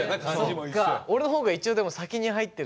俺のほうが一応でも先に入ってるじゃん。